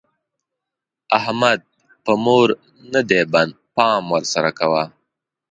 احمد په مور نه دی بند؛ پام ور سره کوه.